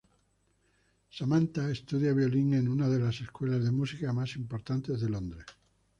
Samantha estudia violín en una de las escuelas de música más importantes de Londres.